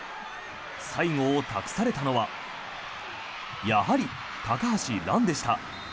最後を託されたのはやはり、高橋藍でした。